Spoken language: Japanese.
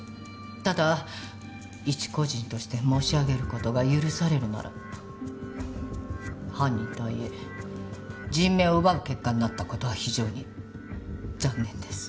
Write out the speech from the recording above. ただ一個人として申し上げる事が許されるなら犯人とはいえ人命を奪う結果になった事は非常に残念です。